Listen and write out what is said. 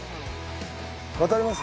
渡ります？